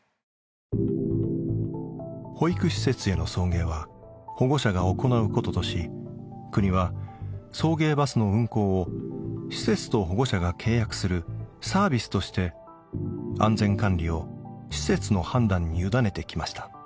保育施設への送迎は保護者が行うこととし国は送迎バスの運行を施設と保護者が契約するサービスとして安全管理を施設の判断に委ねてきました。